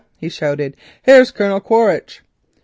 he shouted, "here's Colonel Quaritch."